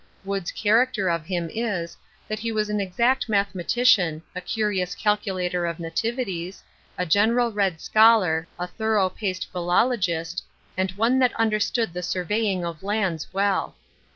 Wood's character of him is, that he was an exact mathematician, a curious calculator of nativities, a general read scholar, a thorough paced philologist, and one that understood the surveying of lands well.